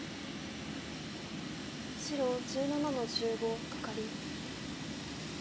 白１７の十五カカリ。